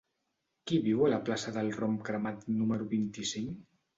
Qui viu a la plaça del Rom Cremat número vint-i-cinc?